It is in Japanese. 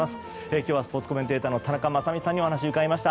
今日はスポーツコメンテーターの田中雅美さんにお話を伺いました。